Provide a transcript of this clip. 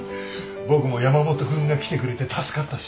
僕も山本君が来てくれて助かったし。